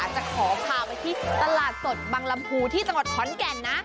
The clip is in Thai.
จะขอพาไปที่ตลาดสดบังลำพูที่จังหวัดขอนแก่นนะ